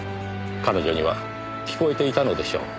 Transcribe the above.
彼女には聞こえていたのでしょう。